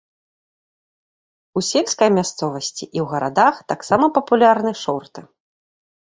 У сельскай мясцовасці і ў гарадах таксама папулярны шорты.